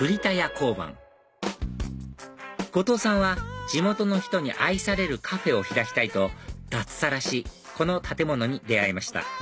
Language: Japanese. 交番後藤さんは地元の人に愛されるカフェを開きたいと脱サラしこの建物に出会いました